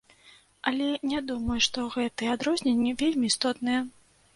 Але не думаю, што гэтыя адрозненні вельмі істотныя.